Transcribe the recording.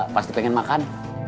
pasti pengen makan